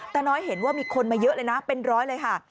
น้อยเห็นว่ามีคนมาเยอะเลยนะเป็นร้อยเลยค่ะ